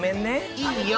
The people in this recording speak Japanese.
いいよ。